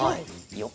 よっ。